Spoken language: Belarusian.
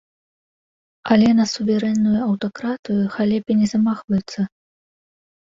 Але на суверэнную аўтакратыю хай лепей не замахваюцца.